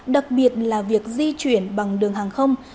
đặc biệt là việc di chuyển bằng đường hàng không